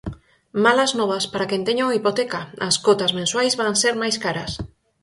Malas novas para quen teña unha hipoteca: as cotas mensuais van ser máis caras.